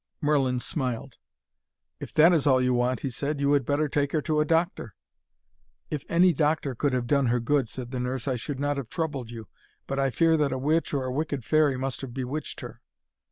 Merlin smiled. 'If that is all you want,' he said, 'you had better take her to a doctor.' 'If any doctor could have done her good,' said the nurse, 'I should not have troubled you. But I fear that a witch or a wicked fairy must have bewitched her.'